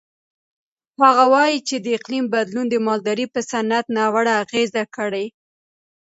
هغه وایي چې د اقلیم بدلون د مالدارۍ په صنعت ناوړه اغېز کړی.